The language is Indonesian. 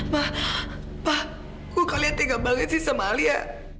ma pa gue kali ini tinggal banget sih sama alia